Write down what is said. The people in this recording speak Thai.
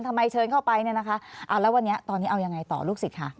เชิญเข้าไปเนี่ยนะคะเอาแล้ววันนี้ตอนนี้เอายังไงต่อลูกศิษย์คะ